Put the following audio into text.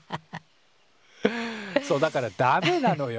そうだからダメなのよ